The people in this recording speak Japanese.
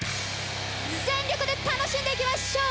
全力で楽しんでいきましょう。